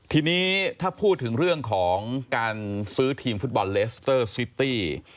ทีนี้ถ้าพูดถึงเรื่องของการซื้อทีมฟุตบอลเลสเตอร์ซิตี้